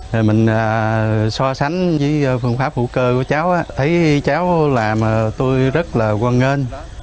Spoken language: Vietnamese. rồi mình so sánh với phương pháp vũ cơ của cháu á thấy cháu làm tôi rất là quang ngơn